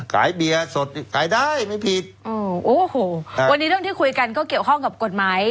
ขายเบียร์สดขายได้ไม่ผิดอ๋อโอ้โหครับวันนี้เรื่องที่คุยกันก็เกี่ยวข้องกับกฎหมาย